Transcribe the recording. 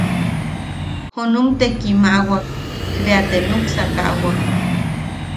Junum te kimaʼawak bea, te nuksakaʼawak.